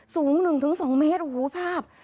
สูงหนึ่งถึงสองเมตรโอ้โฮภาพ